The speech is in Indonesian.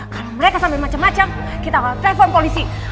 kalo mereka sambil macem macem kita akan telepon polisi